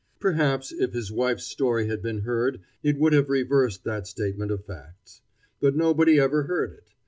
Perhaps if his wife's story had been heard it would have reversed that statement of facts. But nobody ever heard it.